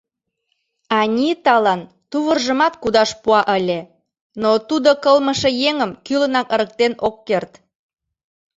Аниталан тувыржымат кудаш пуа ыле, но тудо кылмыше еҥым кӱлынак ырыктен ок керт.